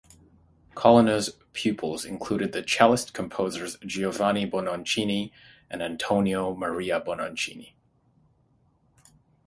Colonna's pupils included the cellist-composers Giovanni Bononcini and Antonio Maria Bononcini.